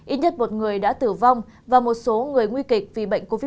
ít nhất một người đã tử vong và một số người nguy kịch vì bệnh covid một mươi chín